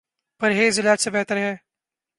پرہیز علاج سے بہتر ہے۔